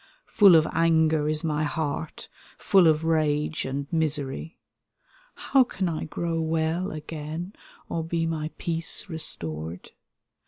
Full of anger is my heart, full of rage and misery; How can I grow weU again, or be my peace restored?